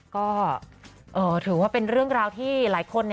ก็ถือว่าเป็นเรื่องราวที่หลายคน